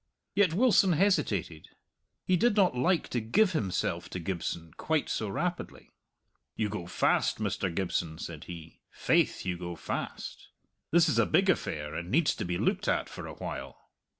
Yet Wilson hesitated. He did not like to give himself to Gibson quite so rapidly. "You go fast, Mr. Gibson," said he. "Faith, you go fast. This is a big affair, and needs to be looked at for a while."